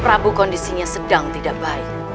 prabu kondisinya sedang tidak baik